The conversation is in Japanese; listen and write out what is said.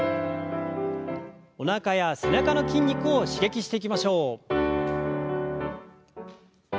おなかや背中の筋肉を刺激していきましょう。